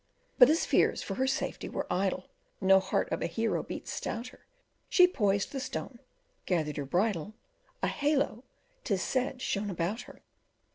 But his fears for her safety were idle, No heart of a hero beat stouter: She poised the stone, gathered her bridle A halo, 'tis said, shone about her.